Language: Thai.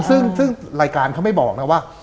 ซึ่งรายการเขาไม่บอกนะว่า